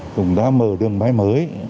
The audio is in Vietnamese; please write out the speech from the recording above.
cùng đã mở đường bay mới